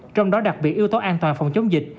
trong đó đặc biệt yếu tố an toàn phòng chống dịch